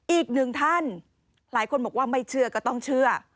อีกหนึ่งท่านหลายคนบอกว่าไม่เชื่อก็ต้องเชื่อ